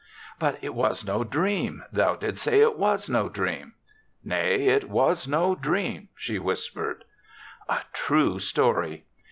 '^ But it was no dream. Thou didst say it was no dream." " Nay, it was no dream," she whis pered. A true story!